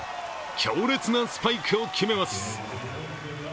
強烈なスパイクを決めます。